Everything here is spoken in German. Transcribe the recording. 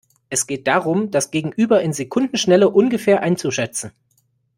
Es geht darum, das Gegenüber in Sekundenschnelle ungefähr einzuschätzen.